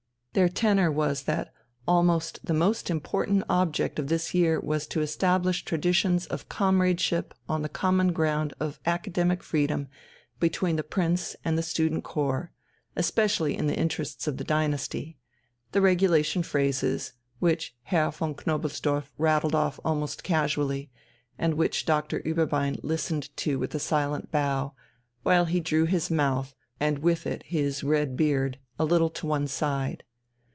Their tenour was that almost the most important object of this year was to establish traditions of comradeship on the common ground of academic freedom between the Prince and the student corps, especially in the interests of the dynasty the regulation phrases, which Herr von Knobelsdorff rattled off almost casually, and which Doctor Ueberbein listened to with a silent bow, while he drew his mouth, and with it his red beard, a little to one side.